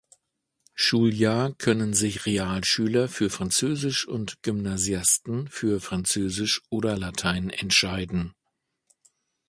Schuljahr können sich Realschüler für Französisch und Gymnasiasten für Französisch oder Latein entscheiden.